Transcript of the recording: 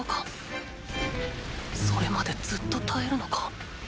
それまでずっと耐えるのか？